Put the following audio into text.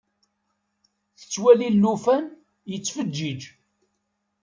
Tettwali llufan yettfeǧiǧ.